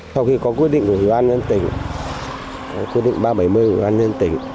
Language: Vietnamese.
sau khi có quyết định của hiếu an nhân tỉnh quyết định ba trăm bảy mươi của hiếu an nhân tỉnh